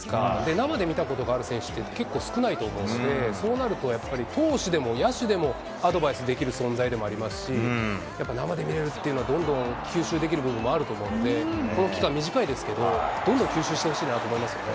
生で見たことがある選手って、結構少ないと思うので、そうなると、やっぱり投手でも野手でも、アドバイスできる存在でもありますし、やっぱり生で見れるっていうのは、どんどん吸収できる部分もあると思うので、この期間、短いですけど、どんどん吸収してほしいなと思いますよね。